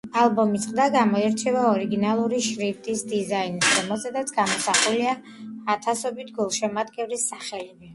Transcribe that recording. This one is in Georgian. ალბომის ყდა გამოირჩევა ორიგინალური შრიფტის დიზაინით, რომელზეც გამოსახულია ათასობით გულშემატკივრის სახელები.